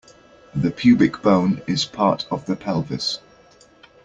The pubic bone is part of the pelvis.